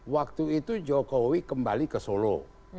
waktu itu jokowi kembali ke solo